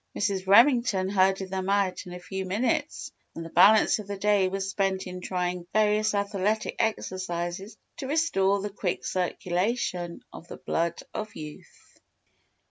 Mrs. Remington herded them out in a few minutes and the balance of the day was spent in trying various athletic exercises to restore the quick circulation of the blood of youth.